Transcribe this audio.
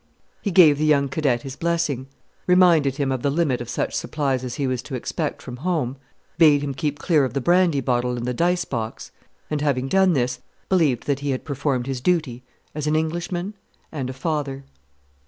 He gave the young cadet his blessing, reminded him of the limit of such supplies as he was to expect from home, bade him keep clear of the brandy bottle and the dice box; and having done this, believed that he had performed his duty as an Englishman and a father.